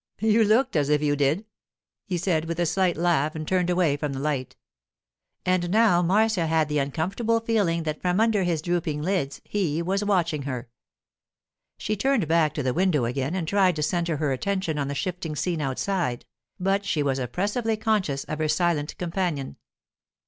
'You looked as if you did,' he said with a slight laugh, and turned away from the light. And now Marcia had the uncomfortable feeling that from under his drooping lids he was watching her. She turned back to the window again and tried to centre her attention on the shifting scene outside, but she was oppressively conscious of her silent companion.